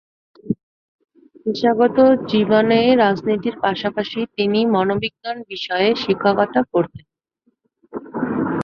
পেশাগত জীবনে রাজনীতির পাশাপাশি তিনি মনোবিজ্ঞান বিষয়ে শিক্ষকতা করতেন।